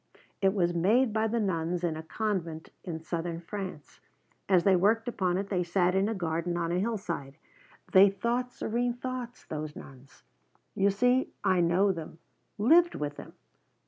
It was made by the nuns in a convent in Southern France. As they worked upon it they sat in a garden on a hillside. They thought serene thoughts, those nuns. You see I know them, lived with them.